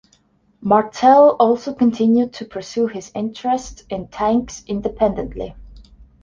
Martel also continued to pursue his interest in tanks independently.